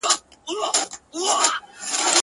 مرور سهار به هله راستنېږي,